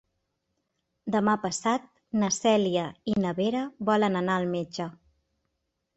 Demà passat na Cèlia i na Vera volen anar al metge.